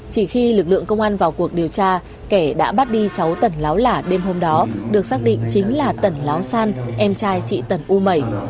chỉ khi lực lượng công an vào cuộc điều tra kẻ đã bắt đi cháu tần láo lả đêm hôm đó được xác định chính là tần láo san em trai chị tần u mẩy